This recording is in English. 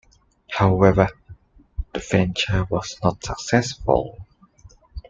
However, the venture was not successful.